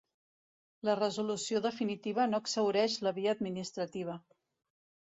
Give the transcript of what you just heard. La resolució definitiva no exhaureix la via administrativa.